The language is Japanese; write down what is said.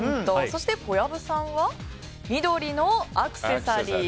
そして、小籔さんは緑のアクセサリー。